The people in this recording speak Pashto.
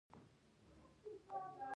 نصرت حقپرست په نړیواله کچه لوبیږي.